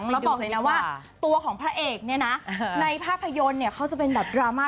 แล้วบอกเลยนะว่าตัวของพระเอกเนี่ยนะในภาพยนตร์เนี่ยเขาจะเป็นแบบดราม่า